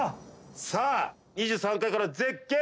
さあ２３階から絶景。